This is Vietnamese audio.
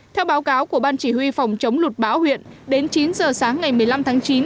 theo báo cáo của ban chỉ huy phòng chống lụt bão huyện đến chín giờ sáng ngày một mươi năm tháng chín